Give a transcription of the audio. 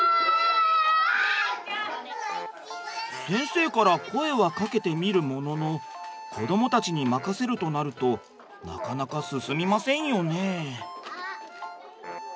先生から声はかけてみるものの子どもたちに任せるとなるとなかなか進みませんよね。